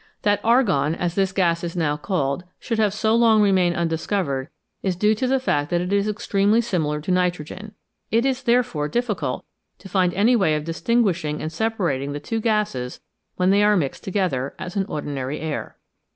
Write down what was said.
That argon, as this gas is now called, should have so long remained undiscovered, is due to the fact that it is extremely similar to nitrogen ; it is, therefore, difficult to find any way of distinguishing and separating the two gases when they are mixed together, as in ordinary air.